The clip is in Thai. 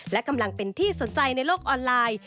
และกำลังเป็นที่สนใจในโลกออนไลน์